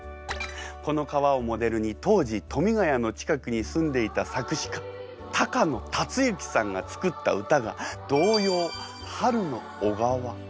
この川をモデルに当時富ヶ谷の近くに住んでいた作詞家高野辰之さんが作った歌が童謡「春の小川」。